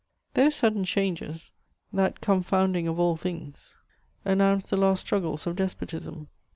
* Those sudden changes, that confounding of all things, announced the last struggles of despotism.